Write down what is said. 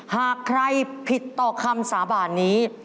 หากใครผิดต่อคำสาบานนี้